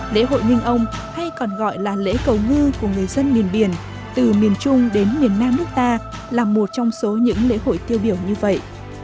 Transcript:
lễ hội minh ông hay còn gọi là lễ cầu ngư của người dân miền biển từ miền trung đến miền nam nước ta là một trong số những lễ hội tiêu biểu như vậy